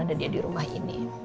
ada dia di rumah ini